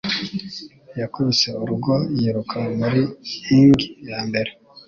Yakubise urugo yiruka muri inning yambere